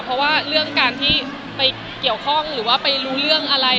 เพราะว่าเรื่องการที่ไปเกี่ยวข้องหรือว่าไปรู้เรื่องอะไร